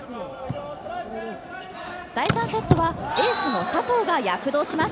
第３セットはエースの佐藤が躍動します。